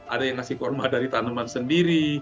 ada yang ngasih kurma dari tanaman sendiri